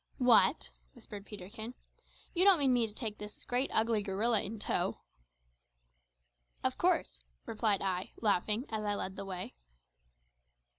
"What!" whispered Peterkin, "you don't mean me to take this great ugly gorilla in tow?" "Of course," replied I, laughing, as I led the way.